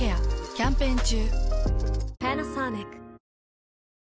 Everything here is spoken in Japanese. キャンペーン中。